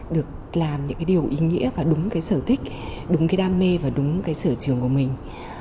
được làm những cái điều ý nghĩa và đúng cái sở thích đúng cái đam mê và đúng cái sở trường của mình